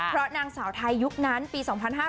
เพราะนางสาวไทยยุคนั้นปี๒๕๕๙